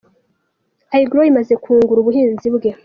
I Grow imaze kungura ubuhinzi bwe.